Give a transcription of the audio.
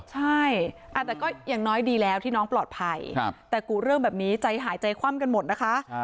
ใช่แต่ก็อย่างน้อยดีแล้วที่น้องปลอดภัยแต่กูเรื่องแบบนี้ใจหายใจคว่ำกันหมดนะคะ